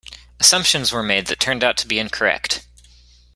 Assumptions were made that turned out to be incorrect.